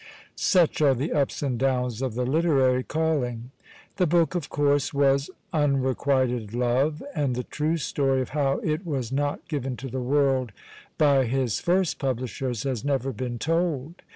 Such are the ups and downs of the literary calling. The book, of course, was "Unrequited Love," and the true story of how it was not given to the world by his first publishers has never been told.